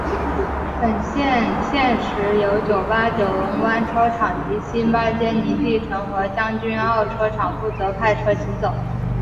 本线现时由九巴九龙湾车厂及新巴坚尼地城和将军澳车厂负责派车行走。